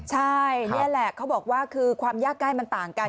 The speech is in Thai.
ใช่นี่แหละเขาบอกว่าคือความยากใกล้มันต่างกัน